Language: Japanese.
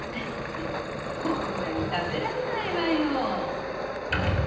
フッこんなに食べられないわよ。